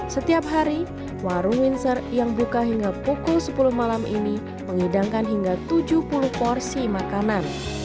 setiap hari warung windsor yang buka hingga pukul sepuluh malam ini mengidangkan hingga tujuh puluh porsi makanan